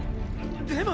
でも！